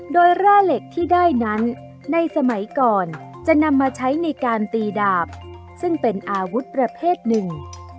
โดยแร่เหล็กที่ได้นั้นในสมัยก่อนจะนำมาใช้ในการตีดาบซึ่งเป็นอาวุธประเภทหนึ่ง